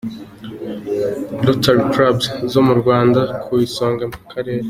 Rotary Clubs zo mu Rwanda ku isonga mu Karere.